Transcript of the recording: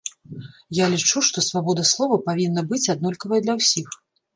Я лічу, што свабода слова павінна быць аднолькавая для ўсіх.